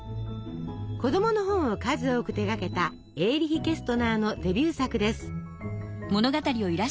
子どもの本を数多く手がけたエーリヒ・ケストナーのデビュー作です。